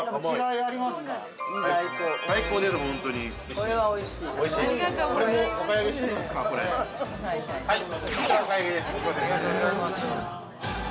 ◆ありがとうございます。